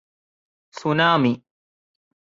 tsunami